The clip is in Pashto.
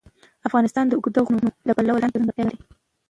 افغانستان د اوږده غرونه د پلوه ځانته ځانګړتیا لري.